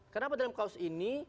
karena apa dalam kaos ini